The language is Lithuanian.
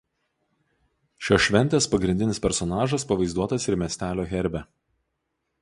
Šios šventės pagrindinis personažas pavaizduotas ir miestelio herbe.